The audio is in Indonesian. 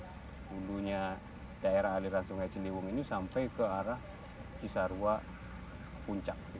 hulunya daerah aliran sungai ciliwung ini sampai ke arah cisarua puncak